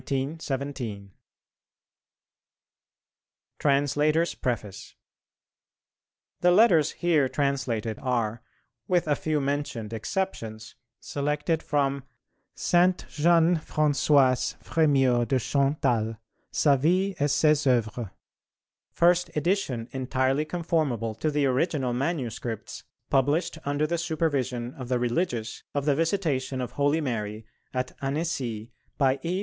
_ TRANSLATORS' PREFACE The letters here translated are, with a few mentioned exceptions, selected from "Sainte Jeanne Françoise Frémyot de Chantal: Sa Vie et ses Oeuvres," "First edition entirely conformable to the original manuscripts published under the supervision of the religious of the Visitation of Holy Mary at Annecy, by E.